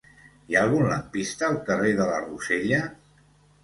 Hi ha algun lampista al carrer de la Rosella?